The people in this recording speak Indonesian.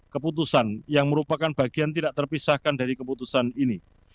keputusan yang merupakan bagian tidak terpisahkan dari keputusan ini